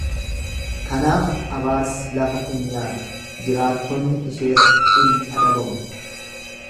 Kanaaf abaarsi lafa in nyaata, jiraattonni ishees in adabamu.